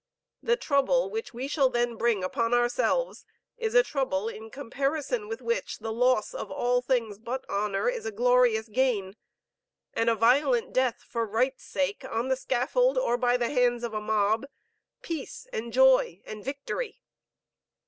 The trouble which we shall then bring upon ourselves, is a trouble in comparison with which the loss of all things but honor is a glorious gain, and a violent death for right's sake on the scaffold, or by the hands of a mob, peace and joy and victory.